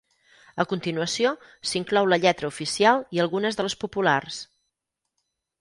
A continuació s'inclou la lletra oficial i algunes de les populars.